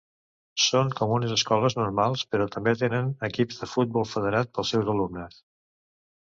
Són com unes escoles normals però també tenen equips de futbol federat pels seus alumnes.